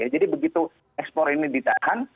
begitu ekspor ini ditahan